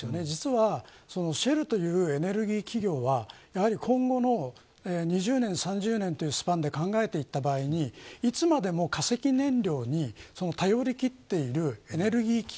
実は、シェルというエネルギー企業は今後の２０年、３０年というスパンで考えていった場合にいつまでも化石燃料に頼りきっているエネルギー